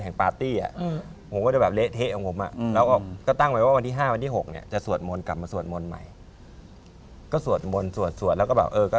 หน้าฝั่งนี้หมดเลย